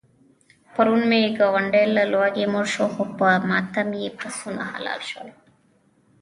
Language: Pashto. پرون مې ګاونډی له لوږې مړ شو، خو په ماتم یې پسونه حلال شول.